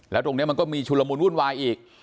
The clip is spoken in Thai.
แล้วตรงนี้มันก็มีชุลมุนวุ่นวายอีก